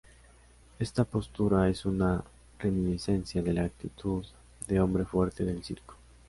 Esta postura es una reminiscencia de la actitud de hombre fuerte del circo.